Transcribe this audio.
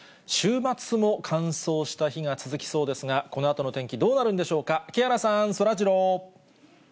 週末も乾燥した日が続きそうですが、このあとの天気どうなるんでしょうか、木原さん、そらジロー。